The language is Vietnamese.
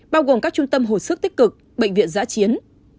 bao gồm các trung tâm hồi sức tích cực bệnh viện giã chiến